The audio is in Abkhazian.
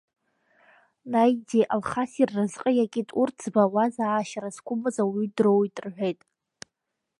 Наидеи Алхаси рразҟы иакит, урҭ збауаз, аашьара зқәымыз ауаҩы дроуит, — рҳәеит.